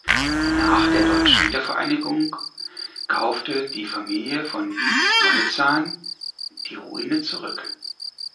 Nach der Deutschen Wiedervereinigung kaufte die Familie von Maltzan die Ruine zurück.